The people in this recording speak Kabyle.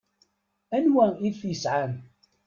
Anwa i t-yesƐan?